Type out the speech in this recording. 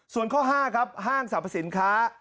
ส่วนข้อ๕ครับห้างสรรพสินค้า